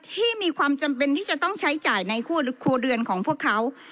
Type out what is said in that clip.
ที่มีความจำเป็นที่จะต้องใช้จ่ายในครัวเรือนของพวกเขา